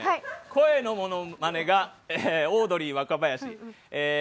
声のモノマネがオードリー若林。